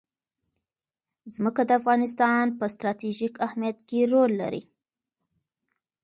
ځمکه د افغانستان په ستراتیژیک اهمیت کې رول لري.